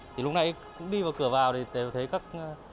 thì lúc này cũng đi vào cửa vào thì đều thấy các